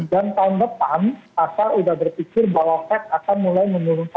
dan tahun depan pasar sudah berpikir bahwa fed akan mulai menurun